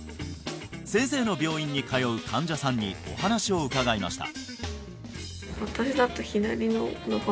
先生の病院に通う患者さんにお話を伺いました